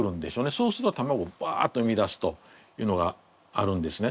そうすると卵ワッと産み出すというのがあるんですね。